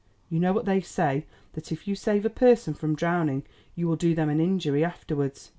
You know what they say, that if you save a person from drowning you will do them an injury afterwards.